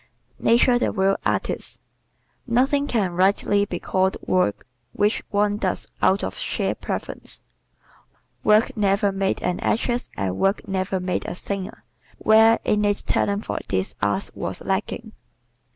Nature the Real Artist ¶ Nothing can rightly be called work which one does out of sheer preference. Work never made an actress and work never made a singer where innate talent for these arts was lacking.